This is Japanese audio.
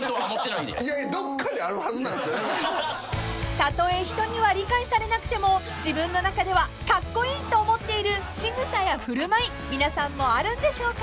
［たとえ人には理解されなくても自分の中ではカッコイイと思っているしぐさや振る舞い皆さんもあるんでしょうか？］